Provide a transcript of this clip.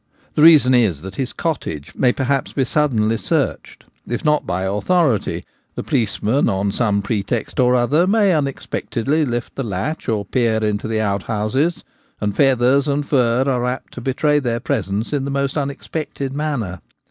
The reason is that his cottage may per haps be suddenly searched : if not by authority, the policeman on some pretext or other may unexpectedly lift the latch or peer into the outhouses, and feathers and fur are apt to betray their presence in the most unexpected manner.